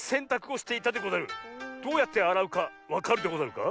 どうやってあらうかわかるでござるか？